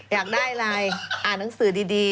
อยากได้อะไรอ่านหนังสือดี